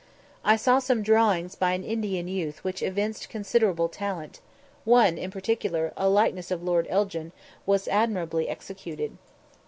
I saw some drawings by an Indian youth which evinced considerable talent: one in particular, a likeness of Lord Elgin, was admirably executed.